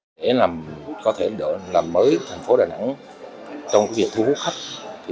để làm mới thành phố đà nẵng trong việc thu hút khách